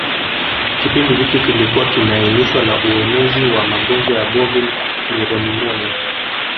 Kipindi hiki kilikuwa kimeainishwa na uenezi wa magonjwa ya bovin pleuropneumonia